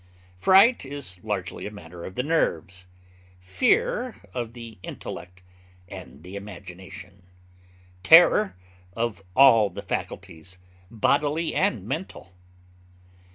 Fright is largely a matter of the nerves; fear of the intellect and the imagination; terror of all the faculties, bodily and mental.